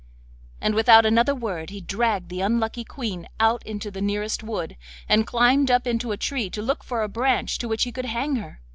And without another word he dragged the unlucky Queen out into the nearest wood, and climbed up into a tree to look for a branch to which he could hang her.